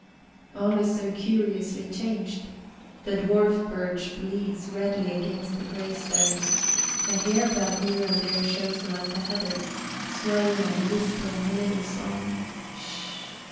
All is so curiously changed the dwarf birch bleeds redly against the grey stones, a harebell here and there shows among the heather, swaying and whispering a little song: sh!